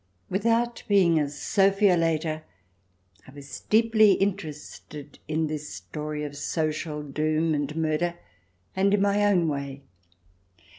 Without being a Sophiolater, I was deeply interested in this story of social doom and murder, and in my own way.